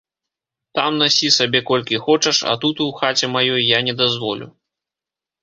Там насі сабе колькі хочаш, а тут, у хаце маёй, я не дазволю.